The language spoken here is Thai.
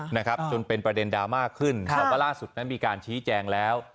นะครับจนเป็นประเด็นดราม่าขึ้นแต่ว่าล่าสุดนั้นมีการชี้แจงแล้ว